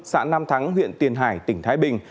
xã nam thắng huyện tiền hải tỉnh thái bình